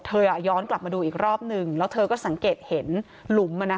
ย้อนกลับมาดูอีกรอบนึงแล้วเธอก็สังเกตเห็นหลุม